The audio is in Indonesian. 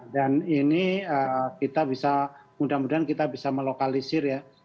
dan ini kita bisa mudah mudahan kita bisa melokalisir ya